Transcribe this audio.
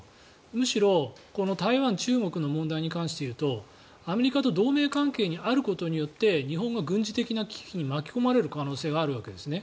むしろ台湾、中国の問題に関して言うとアメリカと同盟関係にあることによって日本が軍事的な危機に巻き込まれる恐れがあるわけですね。